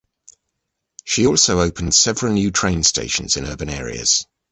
She also opened several new train stations in urban areas.